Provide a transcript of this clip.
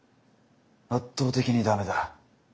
圧倒的に駄目だ。